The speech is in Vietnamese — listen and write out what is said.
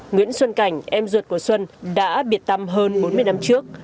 nguyễn xuân cảnh em ruột của xuân đã biệt tâm hơn bốn mươi năm trước